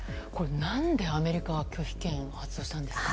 何でアメリカは拒否権を発動したんですか？